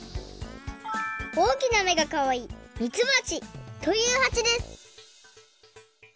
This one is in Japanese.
おおきなめがかわいいみつばちというはちです